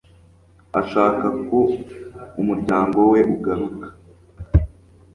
ashaka ko umuryango we ugaruka